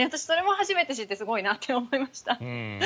私、それも初めて知ってすごいなと思いました。